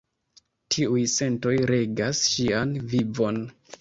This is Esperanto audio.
Tiuj sentoj regas ŝian vivon.